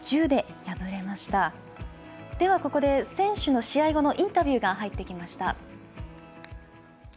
では、ここで選手の試合後のインタビューが入ってきました。